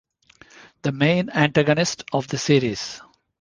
The main antagonist of the series.